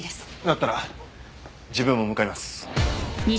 だったら自分も向かいます。